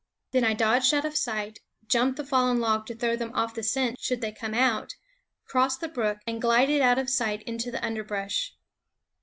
Then I dodged out of sight, jumped the fallen log, to throw them off the scent should 36 What ffie Fawns it Know they come out, crossed the brook, and glided out of sight into the underbrush.